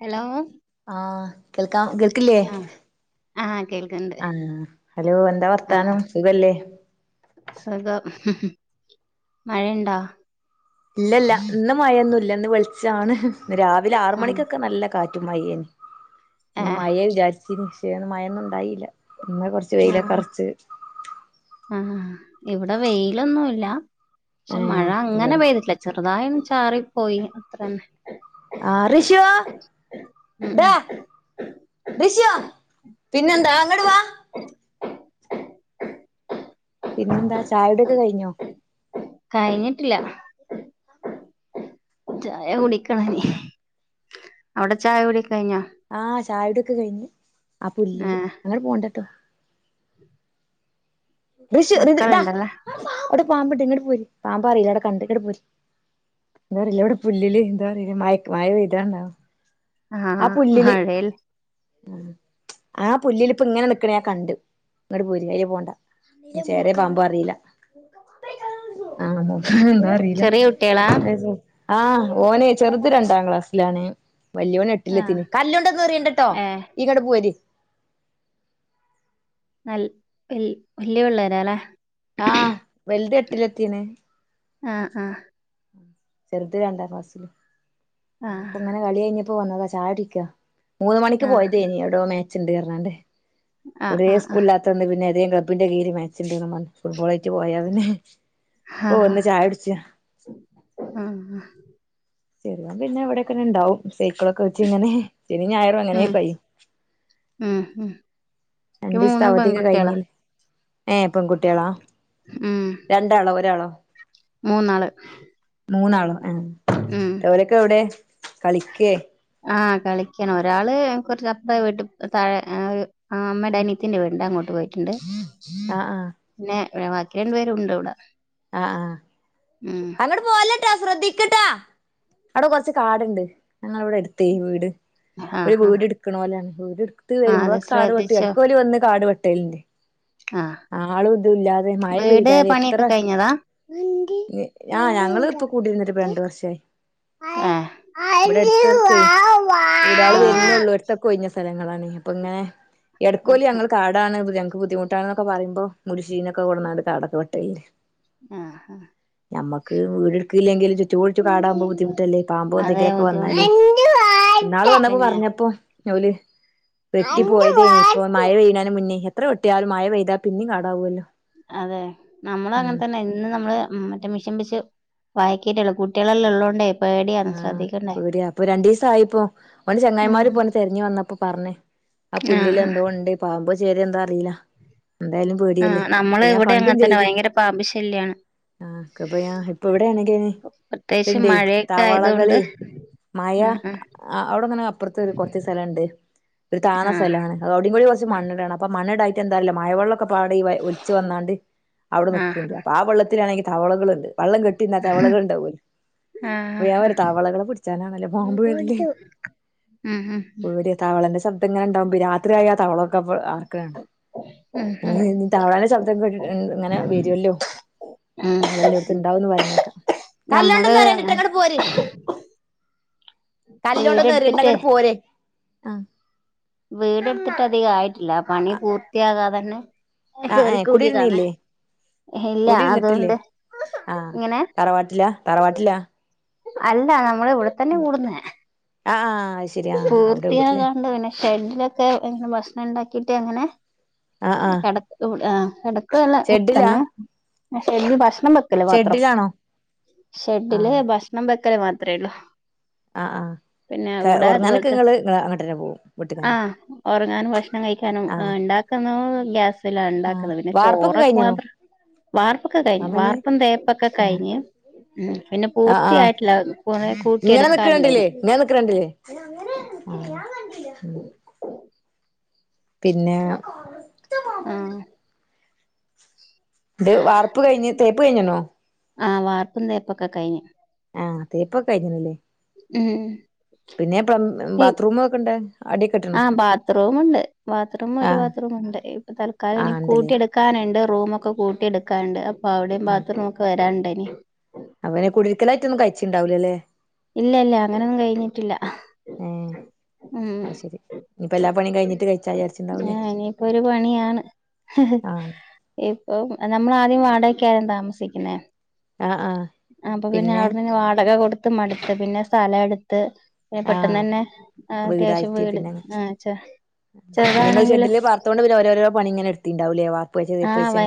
Hello ആഹ് കേൾക്കാം കേൾ ക്കില്ലേ ആഹ് ആഹ് കേൾക്ക്ണ്ട് ആഹ് ഹലോ എന്താ ആഹ് വർത്താനം സുഖല്ലേ സുഖം മഴേണ്ടോ ഇല്ല ഇല്ല ഇന്ന് മഴെന്നുല്ല ഇന്ന് വെളിച്ചാണ് ഇന്ന് രാവിലെ ആറ് ആഹ് മണിക്കൊക്കെ നല്ല കാറ്റും മഴേന് ഇന്ന് ഏഹ് മഴെ വിചാരിച്ചിന് പക്ഷേ ഇന്ന് മഴെന്നും ഉണ്ടായില്ല ഇന്ന് കുറച് ആഹ് ആഹ് ഇവിടെ വെയിലൊന്നുംല്ല പക്ഷെ മഴ ഏഹ് അങ്ങനെ ഇവിടെ പെയ്തിട്ടില്ല ചെറുതായി ചാറിപ്പോയി അത്രന്നെ ആഹ് റിഷു ഉം ഡാ ഉം റിശോ പിന്നെന്താ ഇങ്ങടുവാ [unintelligible] പിന്നെന്താ ചായകുടിയൊക്കെ കഴിഞ്ഞോ കഴിഞ്ഞിട്ടില്ല [unintelligible] ചായ കുടിക്കണം ഇനി അവിടെ ചായ കുടിയൊക്കെ കഴിഞ്ഞോ ആഹ് ചായകുടിയൊക്കെ കഴിഞ്ഞ് ആ പുല്ലില് ഏഹ് അങ്ങട് പോകണ്ടട്ടോ ഋഷു ന്നിട്ട് ഡാ മക്കളുണ്ടല്ലേ അവിടെ പാമ്പ്ണ്ട് ഇങ്ങട് പോര് പാമ്പാ അറിയില്ല അവിടെ കണ്ട് ഇങ്ങട്ട് പോര് വേറില്ലെവിടെ പുല്ലില് എന്താ പറയ മയക്ക്‌ മയ പെയ്താന്നോ ആഹ് ആ പുല്ലില് മഴേൽ ആ പുല്ലില് ഇപ്പ ഇങ്ങനെ നിക്കണ ഞാകണ്ട് ഇങ്ങട്ട് പോര് അയ്ലെ പോണ്ട ചേരെ പാമ്പോ അറിയില്ല ആഹ് എന്താ അറിയില്ല ചെറിയ കുട്ടികളാ ആഹ് ഓനെ ചെറുത് രണ്ടാം ക്ലാസിലാണെ വല്യവൻ എട്ട് ആഹ് ട്ടിലെത്തിന് കല്ലുണ്ടെന്നെറിയണ്ടട്ടോ ഏഹ് ഇങ്ങട്ട് പോര് നൽ വൽ വല്യ പിള്ളേര അല്ലേ ആഹ് വൽത് എട്ടില് എത്തിണ് ആഹ് ആഹ് ചെറുത് രണ്ടാം ക്‌ളാസിലും ആഹ് അപ്പ ഇങ്ങനെ കളി കഴിഞ്ഞപ്പോ വന്നതാ ചായകുടിക്ക മൂന്ന് മണിക്ക് ആഹ് പോയതേനി എവിടോ മാച്ച് ഇണ്ട് പറഞ്ഞണ്ട് ആഹ് ഇവിടെ ആഹ് ആഹ് സ്കൂളില്ലാത്തകൊണ്ട് പിന്നെ ഏതേ ക്ലബിന്റെ കീഴി മാച്ച്ണ്ട്ന്നും പറഞ് ഫുട്ബോളായിട്ട് പോയ പിന്നെ ആഹ് ഇപ്പൊ വന്ന് ചായ കുടിച്ച ആഹ് ആഹ് ചെറുത് പിന്നെ എവിടെക്കങ്ങനെ ഉണ്ടാവും സൈക്കിളൊക്കെ വെച്ച ഇങ്ങനെ, ശനിയും ഞായറും അങ്ങനെ ഉം കഴിയും ഉം ഉം ക്ക് രണ്ട് ദിവസത്തെ മൂന്നും അവധി ഒക്കെ പെൺകുട്ടികളാ കഴിഞ്ഞില്ലേ ഏഹ് പെൺകുട്ടികളാ ഉം. രണ്ടാളോ ഒരാളോ മൂന്നാള് മൂന്നാളോ ആഹ് ഉം ഓരൊക്കെ എവിടെ കളിക്കേ ആഹ് കളിക്കണ്, ഒരാള് കുറച്ച് അപ്രെ വീട്ട് താഴെ ആഹ് അമ്മേടെ അനീത്തിന്റെ വീടുണ്ട് അങ്ങോട്ട് പോയിട്ടുണ്ട് ആ ആ ആ പിന്നെ ബാക്കി രണ്ടു പേരുണ്ട്ടെ ആഹ് ആഹ് അങ്ങട് പോകല്ലെട്ടോ ശ്രദ്ധിക്കട്ടാ അവിടെ കൊറച്ച് കാടുണ്ട് ഞങ്ങളവിടെ എടുത്ത വീട് ആഹ് ഈര് ആഹ് വീട് എടുക്കണോരാണ്, വീട് എടുത്ത് ആഹ് അത് വരുമ്പോഴൊക്കെ കാട് വെട്ടും, ശ്രദ്ധിച്ചോ ഇടക്ക് ഓല് വന്ന് കാട് വെട്ടലണ്ട് ആഹ് ആളും ഇതുല്ലാതെ മഴ വീട് പെയ്താല് എത്ര പണിയൊക്കെ കഴിഞ്ഞതാ ആഹ് ഞങ്ങള് ഇപ്പ കൂടിയിരുന്നിട്ട് ഇപ്പ രണ്ടു വർഷായി ഏഹ് ആഹ് ഇവിടെ എടുത്ത്ക്കേ ഇവിടെ ആൾ ആഹ് വരുന്നള്ളൂ ഇതൊക്കഴിഞ്ഞ സ്ഥലങ്ങലാണ് ഇപ്പൊ ഇങ്ങനെ എടക്കോല് ഞങ്ങള് കാ ടാണ് ഞങ്ങക്ക് ബുദ്ധിമുട്ടാണെന്നൊക്കെ പറയുമ്പോ മുടിശീനൊക്കെ കൊണ്ടെന്നങ്ങോട്ട് കാടക്കെ വെട്ടല് ആഹ് ആഹ് ഞമ്മക്ക് വീട് എടുക്കില്ലെങ്കിലും ചുറ്റുപോടിച്ചു കാടാക്പോ ബുദ്ധിമുട്ടല്ലേ പാമ്പോ അതേ എന്തെങ്കിലുമൊക്കെ ബുദ്ധിമുട്ട് വന്നാല് ഇന്നാള് വന്നപ്പോ പിന്നെ പറഞ്ഞപ്പോ ഓല് വെട്ടി പോയതേനി ഇപ്പൊ മഴ പെയ്യണേനും മുന്നേ, എത്ര വെട്ടിയാലും മഴ പെയ്താൽ പിന്നും കാടാവുമല്ലോ അതെ നമ്മളും അങ്ങനെ തന്നെ ഇന്ന് നമ്മള് മറ്റേ മിഷൻ വച്ച് വയക്കിട്ടുള്ളൂ കുട്ടികളെല്ലാം ഉള്ളോണ്ടേ പേടിയാണ് ആഹ് ശ്രദ്ധിക്കണ്ടേ പേടി അപ്പൊ രണ്ടു ദിവസായിപ്പോ ഓന്റെ ഉം ചങ്ങായിമാര് പോ തെരഞ്ഞു വന്നപ്പോ പറഞ്ഞ് ആ പുല്ലില് ആഹ് ആഹ് എന്തോ ഉണ്ട്, പാമ്പോ ചേരയോ എന്താ അറിയില്ല എന്തായാലും പേടിയല്ലേ, ആഹ് നമ്മള് ഇപ്പൊ ഞാൻ ഇവിടെ കണ്ടും അങ്ങനെ തന്നെ ചെയ്ത്. ഭയങ്കര പാമ്പ് ശല്യാണ് ആഹ് ക് ഇപ്പ ഞാൻ ഇപ്പൊ ഇവിടെയാണെങ്കിനി [unintelligible] ഇതായതൊണ്ട് മഴ അവിടെങ്ങനെ അപ്പുറത്ത് ഒരു കുറച്ച് സ്ഥലണ്ട്, ഒരു താണ ആഹ് സ്ഥലമാണ് അവിടെംകൂടി കുറച്ച് മണ്ണിടണം അപ്പ മണ്ണണ്ടായിട്ട് എന്താല്ലേ മഴവള്ളം പാടെ ഒലിച്ച് വന്നാണ്ട് അവിടെ ആഹ് നിക്കില്ലാ ആഹ് അപ്പൊ ആ വെള്ളത്തിലാണെങ്കിൽ തവളകൾണ്ട്, വെള്ളം കെട്ട ട്ടി നിന്നാ തവളകളുണ്ടാവുവല്ലോ ആഹ് ആഹ് ആഹ് പിടിച്ചാനാണല്ലോ പാമ്പ് ഉം ഉം ഇവിടെ തവളന്റെ ശബ്ദംങ്ങനെണ്ടാകും രാത്രിആയാ തവളൊക്കെ കേ ഉം തവൾടെ ശബ്ദം കേട്ടിട്ട് ഇങ്ങനെ വരുമല്ലോ ഉം തവളെല്ലാടുത്തും ഇണ്ടാവുന്ന് പറണേക്കാം നമ്മള് [unintelligible] ഇങ്ങോട്ട് പോര് കല്ലോണ്ടന്ന്റിണ്ട വീടെടുത്തിട്ട് ഇങ്ങോട്ട് പോര് ആഹ് വീടെടുത്തിട്ട് അധിക ആയിട്ടില്ല പണി പൂർത്തിയാകാതെ തന്നെ ആ ഏ കേറിക്കൂടിയതാണ്. കുടിയിരുന്നില്ലേ ഇല്ല, കുടിയിരുന്നിട്ടില്ലേ അതുകൊണ്ട് ആഹ് ഇങ്ങനെ തറവാട്ടിലാ തറവാട്ടിലാ അല്ല നമ്മള് ഇവിടെത്തന്നെ കൂടുന്നേ ആഹ് അഹ് പൂർത്തിയാകാണ്ട് പിനെ ഷെഡിലൊക്കെ ഇങ്ങനെ ഭക്ഷണം ഉണ്ടാക്കിട്ട് അങ്ങനെ ആ ആ കട ഇല്ല ഷെഡിലാ തന്നെ ഷെഡില് ഭക്ഷണം വെക്കല് മാത്രം- ഷെഡിലാണോ ആ ഷെഡില് ഭക്ഷണം വെക്കല് മാത്രേ ഉള്ളൂ. ആഹ് പോല ആ തന്നെ ഉറങ്ങാനും ഭക്ഷണം കഴിക്കാനും ആ ഉണ്ട ഗ്യാസില ആ ഉണ്ടാക്കുന്നത് പിന്നെ വാർപ്പൊക്കെ ചോറൊക്കെ കഴിഞ്ഞണോ മാത്രം. വാർപ്പൊക്കെ കഴിഞ്ഞ് അമ്മനെ വാർപ്പും തേപ്പൊക്കെ ആഹ് കഴിഞ്ഞ്. ഉം പിന്നെ ആഹ് ആഹ് പൂർത്തിയായിട്ടില്ല കൂട്ടി എടുക്കാനുണ്ടേനി. ഞാനിക്കണണ്ടീലെ. [inaudible] പിന്നെ. ആഹ് ഇത് വാർപ്പ് കഴിഞ് തേപ്പ് കയിഞ്ഞ്ണോ? ആഹ് വാർത്തും തേപ്പൊക്കെ കയിഞ്ഞ്. ആഹ് തേപ്പൊക്കെ കയിഞ്ഞ്ണ്ലെ? ഉം. പിന്നെ പ്ലം ബാത്റൂം ഒക്കെ ഇണ്ട് അടിയൊക്കെട്ട്. ആഹ് ബാത്റൂമുണ്ട് ബാത്റൂം ഒരു ആഹ് ബാത്റൂമുണ്ട് ഇപ്പൊ തൽക്കാലം എനി ആഹ് ഇണ്ടല്ലേ കൂട്ടി എടു ക്കാനുണ്ട് റൂമൊക്കെ കൂട്ടി എടുക്കാനുണ്ട് അപ്പൊ അവിടേം ബാത്ത്റൂമൊക്കെ വരാണ്ടെനി. അപ്പം പിന്നെ കുടിര്ക്കലായിട്ടൊന്നും കയിച്ച് ണ്ടാവൂല ലേ? ഇല്ല ഇല്ല അങ്ങനെയൊന്നും കഴിഞ്ഞിട്ടില്ല ഏഹ് ഉം അത് ശരി ഇനിയിപ്പ എല്ലാ പണിയും കഴിഞ്ഞിട്ട് കഴിച്ചാ വിചാരിച്ചിണ്ടാവൂലേ ഇനിപ്പൊ ഒരു പണിയാണ്. ആഹ് ഇപ്പൊ നമ്മളാദ്യം വാടകക്കായിരുന്നു താമസിക്കുന്നേ. ആഹ് ആഹ് അപ്പൊ പിന്നെ അവിടെന്ന് വാടക കൊടുത്ത് മടുത്ത് പിന്നെ സ്ഥലം എടുത്ത്. പെട്ടെന്ന് ആഹ് തന്നെ അത്യാവശ്യം വീടായിട്ട് വീട് പിന്നെ ആ ചെ ചെറുതാണെങ്കിലും. ത്തോണ്ട് പിന്നെ ഓരോരോ പണിങ്ങനെ എട്ത്തീണ്ടാവ് ലെ വാ ആഹ് വൈ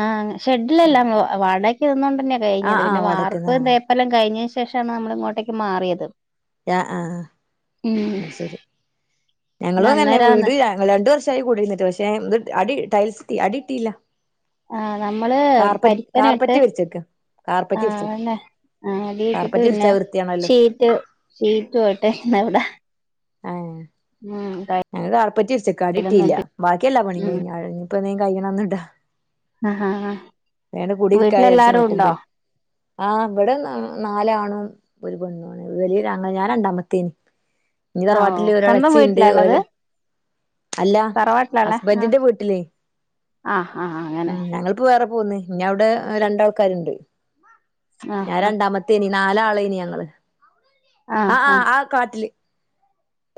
ആ ഷെഡിലല്ല അങ്ങ് വാടകക്ക് നിന്നൊണ്ടേന്നെ. ആഹ് കഴിഞ്ഞത് ആഹ് പിന്നെ വാടക്ക്ന്ന് വാർപ്പ് ആഹ് തേപ്പല്ലാം കഴിഞ്ഞ ശേഷാണ് നമ്മള് ഇങ്ങോട്ടേക്ക് മാറിയത്. ആ ഉം ആഹ് ശരി പിന്നെ ഞങ്ങളുംഅങ്ങന്നെ അന്നേരാന്ന് വീട്. രണ്ടു വർഷായി കൂടിയിര്ന്ന്ട്ട് പക്ഷേ അടി ടൈൽസ് അടിട്ടീല്യ. ആഹ് നമ്മള് പരിക്കനും ട്ട്. കാർപ്പറ്റ് വിരിച്ചേക്ക കാർപ്പറ്റ് ആഹ് വിരിച്ചേക്ക അങ്ങന്നെ അടിട്ട്ട്ട് കാർപ്പറ്റ് വിരിച്ചാ പിന്നെ വൃത്തിയാണല്ലോ ഷീ റ്റ് ഷീറ്റൂട്ട് പിന്നവടെ. അ ഏഹ് മം. ഞങ്ങൾ കാർപെറ്റ് വിര്ച്ചക്കാ അടിട്ടീല്യ ബാക്കിഎല്ലാ പണിം ഉം കഴിഞ്ഞ ഇഞ്ഞിപ്പം കയ്യ്ണന്ന് ടാ ആഹ് ആഹ് ആഹ് വേം കുടിരിക്കാന്ന് വിചാര്ച്ച് വീട്ടിലെല്ലാരും ഉണ്ടോ നോക്കുമ്പേ. ആ ഇവിടെ നാ നാലാണും. [unintelligible] ഞാൻ രണ്ടാമത്തേനി ഇനി ആഹ് ഓഹ് തറവാട്ടില് ഒരെ സ്വന്തം ളച്ചി ണ്ട് വീട്ടിലാ ഒര് ഇള്ളത് അല്ല തറവാട്ടിലാ ഇള്ളെ ആഹ് ഹസ്ബന്റിന്റെ വീട്ടിലേ ആഹ് ആഹ് അങ്ങനെ ഉം ഞങ്ങൾ ഇപ്പ വേറെ പോന്ന് ഇഞ്ഞി അവ്ടെ രണ്ടാൾക്കാര്ണ്ട് ആഹ് ഞാൻ ആഹ് രണ്ടാമ ത്തേനി നാലാളേനി ഞങ്ങള്ആഹ് ആഹ് ആ കാട്ടില്.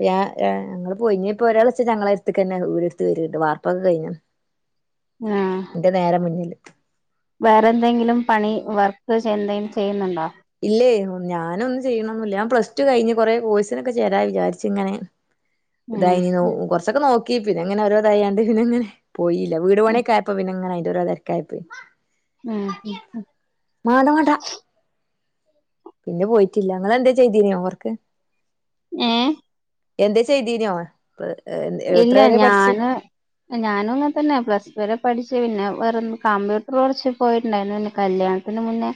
യായാ ഞങ്ങള് പോയിഞ്ഞ ഇപ്പോ ഒരാൾ വെച്ച ഞങ്ങളെടുത്ത്ക്ക്ന്നെ വീടെടുത്ത് വരിണ്ട് വർപ്പൊക്കെ കഴിഞീണ് ന്റെ നേരെ മുന്നില്. വേറെന്തെങ്കിലും പണി വർക്ക് എന്തേലും ചെയ്യുന്നുണ്ടോ? ഇല്ലേ ഞാനൊന്നുംചെയ്ണോ ന്നൂല്യ ഞാൻ പ്ലസ് ടു കഴിഞ്ഞ് കൊറെേ കോഴ്സിനൊക്കെ ചേരാന്ന് വിചാരിച്ച് ഇങ്ങനെ- [inaudible] ഇതായി നീ കൊർച്ചൊക്കെ നോക്കി പിന്നെങ്ങനെ ഓരോതായാണ്ട് പിന്നെ ങ്ങനെ. പോയില്ല വീട് ഉം പണിയൊക്കെആയപ്പോ പിന്നെ ങ്ങനെ അയിന്റെ ഓരോ തേര്ക്കായി പ്പോയി. ആഹ്- മാണ്ട മാണ്ട- പിന്നെ പോയിറ്റ്ല്ല ങ്ങളെന്തേം ചെയ്തീന്യോ വർക്ക് ഏഹ് എന്തേ ചെയ്തീനോ എത്ര ഇല്ല വരെ പഠിച്ചു ഞാന് ഞാനും അങ്ങന തന്നെ പ്ലസ് ടു വരെ പഠിച്ച് പിന്നെ വെറൊ കമ്പ്യൂട്ടർ കുറച്ച് പോയിട്ടുണ്ടായിരുന്നു പിന്നെ കല്യാണം അതിന് മുന്നേ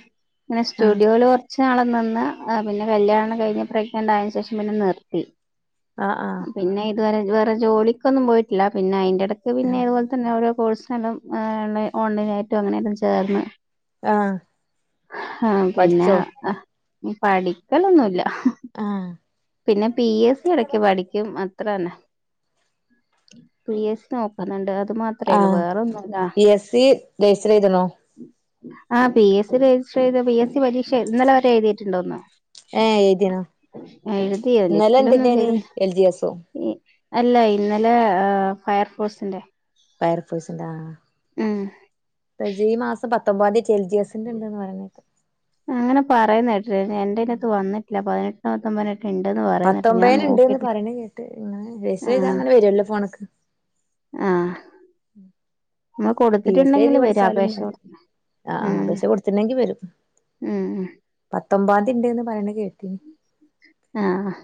ഇങ്ങനെ ആഹ് സ്റ്റുഡിയോല് കൊറച്ച് നാള് നിന്ന് ആഹ് പിന്നെ കല്യാണം കഴഞ്ഞ് പ്രെഗ്നൻറ് ആയന് ശേഷം പിന്നെ നിർത്തി ആഹ് ആഹ് പിന്നെത് വരെ ഇത് വേറെ ജോലിക്കൊന്നും പോയിട്ടില്ല പിന്നെ അയ്ന്റെ ടയ്ക്ക് പിന്നെ ആഹ് ഇത് പോലെ തന്നെ ഓരോ കോഴ്സിനല്ലാം ഓൺലൈ നായിട്ടും അങ്ങനെ ക്കല്ലാം ചേർന്ന് ആഹ് ആഹ് പിന്നെ പഠിച്ചോ ആഹ് ഈ പഠിക്കലൊന്നുല്ല ആഹ് പിന്നെ പി എസ് സി എടക്ക് പഠി യും അത്രന്നെ പി യേസ് നോക്കുന്നുണ്ട് അത് മാ അത് പി യസ് സി രജിസ്റ്റർ യ്തണോ ആ പി എസ് സി രജിസ്റ്റർ ചെയ്ത പി എസ് സി പരീക്ഷ ഇന്നലെ വരെ എഴുതിട്ടുണ്ടോന്ന് ഏഹ് എഴുതിണോ എഴുതി ഇന്നലെ ലിസ്റ്റിലൊന്നും എന്തിന്റെനി പേര് എൽ ജി എസോ അല്ല ഇന്നലെ ഫയർഫോഴ്സിന്റെ ഫയർ ഫോയിസിൻ്റെ ആഹ് ആഹ് ഉം റജീ ഈ മാസം പത്തൊമ്പാന്തി ച ൽജി എസ് അങ്ങനെ പറയേന്നെ ട്ടുണ്എന്റെ ഇതിനകത്ത് വന്നിട്ടില്ല പതിനെട്ടി നത്തൊമ്പതിനക ഉണ്ടെന്ന് പ പത്തൊമ്പേനിണ്ട്ന്ന് പറേണ്കേട്ട് ഇങ്ങനെ രജിസ്റ്റർചെയ്താ ങ്ങനെ വരുമല്ലോ ഫോണ്ക്ക് ആഹ് ന്നാ പി എസ് സി എഴുതി കൊടുത്തിട്ടുണ്ടെങ്കില് വരും പഠിച്ചാലും അപേക്ഷ മതി കൊട് ആഹ് ഉം ആഹ് അപേക്ഷ ഉം ഉം പത്തൊമ്പാന്തിണ്ട്ന്ന് പറയണ കേ ആഹ്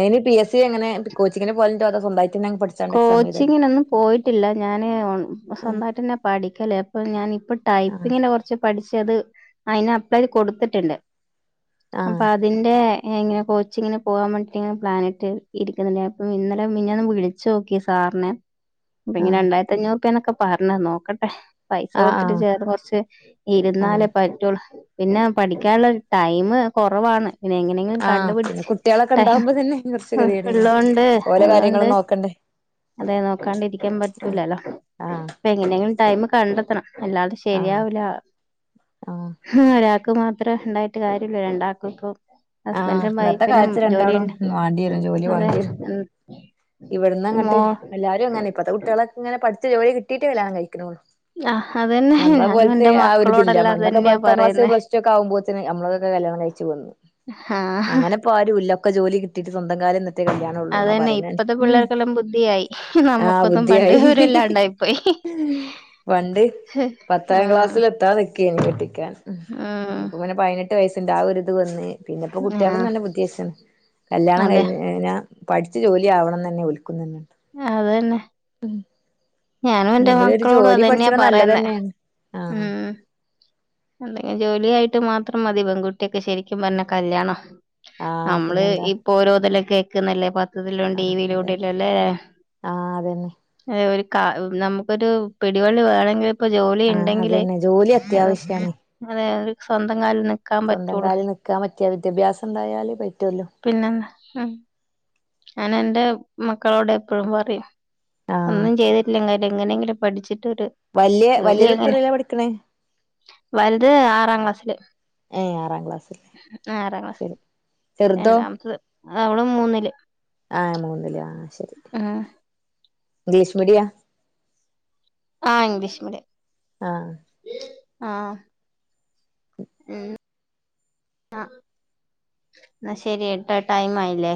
അയ്ന് പി എസ് സി എങ്ങനെ കോച്ചിങ്ങിന്പോകൽ ണ്ടോ അതൊ സ്വന്താട്ട് ങ്ങനെപഠി കോച്ചിങ്ങിനൊന്നും പോയിട്ടില്ല ഞാന് ഓ ആഹ് സ്വന്തായ്ട്ടെന്നെ പഠിക്കല് അപ്പൊ ഞാൻ ഇപ്പ ആഹ് ടൈപ്പിങ്ന് കുറച്ച് പഠിച്ചത് അയ്ന അപ്ലൈയ്ത് കൊടുത്തിട്ട്ണ്ട് അപ്പ ആഹ് അതിന്റെ ഇങ്ങനെ കോച്ചിങ്ങിന് പോകാൻ വേണ്ടിയിട്ട് ഇങ്ങനെ പ്ലാനിട്ട് ഇരിക്കുണ്ണ്ട് അപ്പം ഇന്നലെമിഞ്ഞാന്ളി ച്ചു നോക്കി സാറിനെ ഇപങ്ങനെരണ്ടായിരത്തി അഞ്ഞൂറ് റുപ്യാന്നൊക്കെ പറഞ്ഞ് നോക്കട്ടെ പൈസ ആഹ് കൊടുത്തിട്ട് ആഹ് ചേര കൊറച്ച് ഇരുന്നാലേ ആഹ് പറ്റുള്ളൂ പിന്നെ പഠിക്കാനുള്ള ടൈമ് കൊറവാണ് പിന്നെ എങ്ങനെ എങ്കിലും ആഹ് പിന്നെ കണ്ടുപിടിച്ച് കുട്ടികളൊക്കെ ടൈം ഉണ്ടാവുമ്പോ തന്നെ കുറച്ച് ഗതികേടാണ് ഉള്ളോണ്ട് ഓലെ അതോണ്ട് കാര്യങ്ങളും നോക്കണ്ടേ അതെ നോക്കാണ്ടിരിക്കാൻ ആഹ് പറ്റൂലല്ലോ ആഹ് ഇപ്പ ങ്ങനെങ്കിലും ടൈമ് കണ്ടെത്തണം അല്ലാടിസ് ആഹ് ശരിയാവൂല ഒരാക്ക് മാത്രേ ഉണ്ടായിട്ട് കാര്യല്ല രണ്ടാൾക്കക്കും ഇപ്പ ആഹ് ഹസ്ബൻറും ഇന്നത്തെ വൈഫിനും കാലത്ത് ജോലി രണ്ടാളും ഉണ്ട് വാണ്ടിവരും അതെ മോ ഇവടന്നങ്ങട്ട് എല്ലാരുംങ്ങനെപ്പത്തെ കുട്ടിയേളൊക്കെങ്ങനെ പഠിച്ച ജോലി കിട്ടിട്ട് കല്യാണം കഴിക്കണള്ളു ആ അതന്നെ നമ്മളെ ഞാനും പോലത്തെ എന്റെ ആഹ് ഒരു ഇതില്ല മക്കളോടെല്ലാം അന്നോക്കെ അതന്നെയാ പത്താം ക്ലാസ് പറയുന്നേ പ്ലസ്ടു ഒക്കെ ആകുമ്പോത്തിന് നമ്മളൊക്കെ കല്യാണം കയ്ക്ക് ച്ചു വന്നു ഹ ഹ് ഇപ്പാ രുല്ലക്കെ ജോലി കിട്ടിട്ട് സ്വന്തം കാലിന്നട്ടെകല്യാണുള്ളൂ ന്നാ പറീണെന്നെ പിള്ളേർക്കല്ലം ബുദ്ധിയായി നമ്മുക്കൊന്നും പണ്ടേ ബുദ്ധിയായി വിവരല്ലാണ്ടായിപ്പോയി പണ്ട് പത്താം ആ ക്ലാസ് ലെത്താ നി ക്കറുന്നു കെട്ടിക്കാൻ ഇപ്പൊ ഉം പിനെ പയ്നെട്ട് വയസിന്റെ ആഹ് ഒരിത് വന്ന് പിന്നെ പ്പംകുട്ടിയക്കു ആ നല്ല ബുദ്ധി യെച്ച്ണ് കല്യാണം അതെ കഴിഞ്ഞ പഠിച്ചു ജോലി ആവണംന്ന പിന്നോൽക്കും തന്നെ അതന്നെ ഞാനും എൻ്റെ അല്ലെങ്കിൽ ഒരു മക്കളോടും ജോലി അതന്നെ പഠിച്ചണ പറയുന്നെ നല്ലതന്നെയാണ് ആഹ് ഉം ഒന്നുങ്കി ജോലിയായിട്ട് മാത്രം മതി പെൺകുട്ട്യക്ക് ശരിക്കും പറഞ്ഞ കല്യാണം. ആഹ് നമ്മള് പിന്നെന്താ ഇപ്പൊ ഓരോതല കേക്ക്ന്നല്ലേ പത്രത്തിലും ആഹ് ടിവിലൂടെ അതന്നെ ല്ല ലെ ആഹ് അതന്നെ ഒരു ക നമുക്കൊരു പിടിവള്ളി വേണങ്കിൽ ഇപ്പൊ ജോലി ആഹ് ഇണ്ടങ്കില് അതന്നെ ജോലി അ അത്യാവശ്യാണ് സ്വന്തം കാൽ ന്ന് സ്വന്തം കാലിൽ നിൽക്കാൻ പറ്റ്യ വിദ്യാഭ്യാസം ഉണ്ടായാല് പറ്റുല്ലോ. പിന്നെന്താ ഉം ഞാൻ എൻ്റെ മക്കളോട് എപ്പളും പറിം ആഹ് ഒന്നും ചെയ്തില്ലങ്കി എങ്ങനെങ്കിലും പഠിച്ചിട്ട് ഒര് വല്യ വല്യത് എത്രലാ പഠിക്ക്ണേ? വൽത് ആറാം ക്ലാസ്ൽ. ഏഹ് ആറാം ക്ലാസ് ആറാം ക്ലാസ് ചെറുതോ രണ്ടാമത്തത് അവള് മൂന്നില് ആഹ് മൂന്നില് ആഹ് ശരി ആഹ് ഇംഗ്ലീഷ് മീഡിയ ആഹ് ഇംഗ്ലീഷ് മീഡിയം ആഹ് ആഹ് ഉം അഹ് ന്നാ ശരി ട്ടാ ടൈം ആയില്ലേ